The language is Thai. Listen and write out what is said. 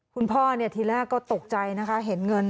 คุณพ่อทีแรกก็ตกใจนะคะเห็นเงิน